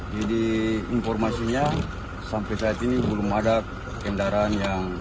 jadi informasinya sampai saat ini belum ada kendaraan yang